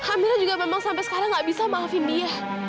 amirah juga memang sampai sekarang nggak bisa maafin dia